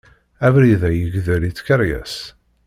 Abrid-a yegdel i tkeryas.